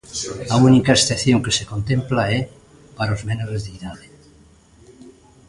A única excepción que se contempla é para os menores de idade.